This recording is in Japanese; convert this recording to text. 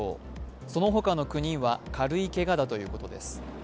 その他の９人は軽いけがだということです。